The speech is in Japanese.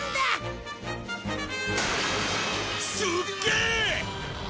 すっげー！